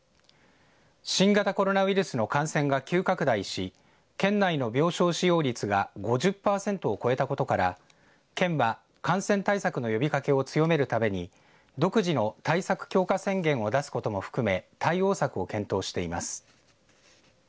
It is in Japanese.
新型コロナウイルスの感染が急拡大し県内の病床使用率が５０パーセントを超えたことから県は感染対策の呼びかけを強めるために独自の対策強化宣言を出すことも含め対応策を検討しています。